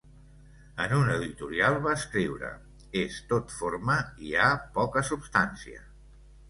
En un editorial va escriure: ‘És tot forma i hi ha poca substància’.